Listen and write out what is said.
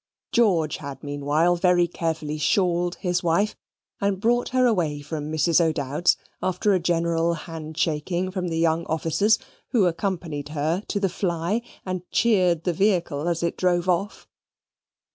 George had meanwhile very carefully shawled his wife, and brought her away from Mrs. O'Dowd's after a general handshaking from the young officers, who accompanied her to the fly, and cheered that vehicle as it drove off.